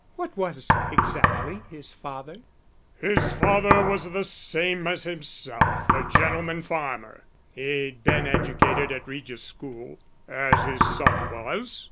"What was exactly his father?" "His father was the same as himself a gentleman farmer. He'd been educated at Regis School, as his son was.